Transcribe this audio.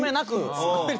すごいね。